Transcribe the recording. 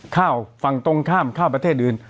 ข้าวฝั่งตรงข้ามข้าวประเทศอื่น